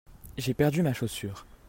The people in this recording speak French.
j'ai perdu ma chaussure.